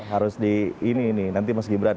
harus di ini nih nanti mas gibran